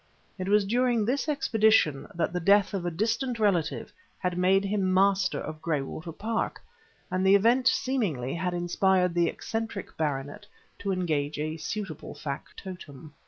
It was during this expedition that the death of a distant relative had made him master of Graywater Park; and the event seemingly had inspired the eccentric baronet to engage a suitable factotum.